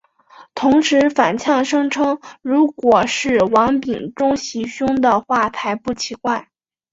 同时反呛声称如果是王炳忠袭胸的话才不奇怪。